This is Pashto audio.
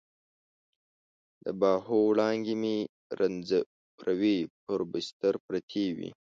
د باهو وړانګې مې رنځورې پر بستر پرتې وي